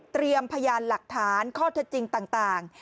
พยานหลักฐานข้อเท็จจริงต่าง